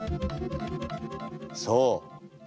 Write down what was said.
そう！